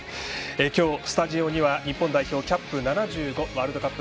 今日、スタジオには日本代表キャップ７５ワールドカップ